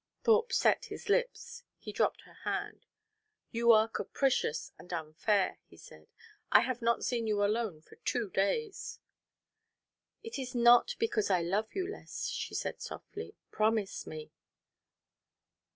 Thorpe set his lips. He dropped her hand. "You are capricious and unfair," he said; "I have not seen you alone for two days." "It is not because I love you less," she said, softly. "Promise me."